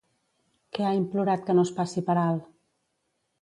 Què ha implorat que no es passi per alt?